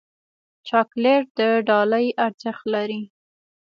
چاکلېټ د ډالۍ ارزښت لري.